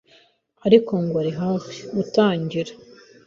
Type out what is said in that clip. ariko ngo ari hafi. gutangira